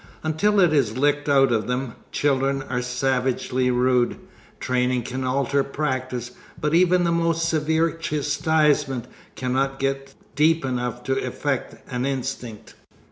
Until it is licked out of them, children are savagely rude. Training can alter practice, but even the most severe chastisement cannot get deep enough to affect an instinct.